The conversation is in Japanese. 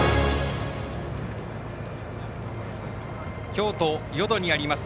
京都・淀にあります